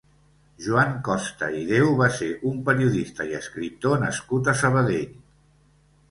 Joan Costa i Deu va ser un periodista i escriptor nascut a Sabadell.